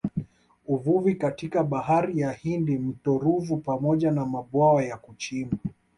Uvuvi katika Bahari ya Hindi mto Ruvu pamoja na mabwawa ya kuchimba